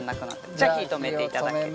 じゃあ火止めていただけて。